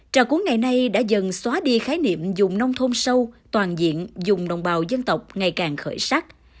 trà cú ngày nay đã dần xóa đi khái niệm dùng nông thôn sâu toàn diện dùng đồng bào dân tộc ngày càng khởi sắc